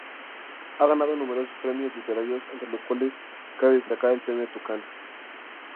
Ha ganado numerosos premios literarios, entre los cuales cabe destacar el Premio Tucán.